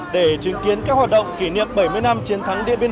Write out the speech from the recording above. để chứng kiến tổng duyệt lễ kỷ niệm bảy mươi năm chiến thắng điện biên